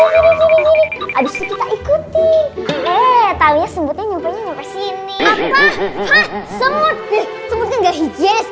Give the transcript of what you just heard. ikuti talinya sebut nyumpah nyumpah sini